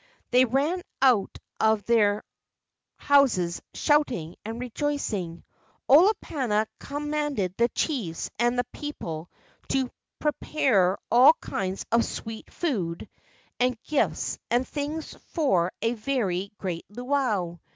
They ran out of their houses shouting and rejoicing. Olopana com¬ manded the chiefs and the people to prepare all kinds of sweet food and gifts and things for a very great luau.